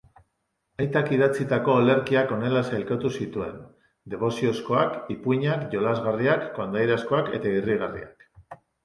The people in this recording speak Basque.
Aitak idatzitako olerkiak honela sailkatu zituen: deboziozkoak, ipuinak, jolasgarriak, kondairazkoak eta irrigarriak.